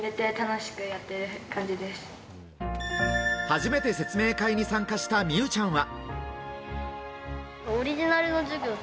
初めて説明会に参加した美羽ちゃんは。